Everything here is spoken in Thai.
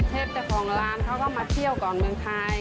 เจ้าของร้านเขาก็มาเที่ยวก่อนเมืองไทย